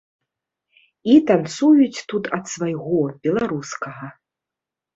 І танцуюць тут ад свайго, беларускага.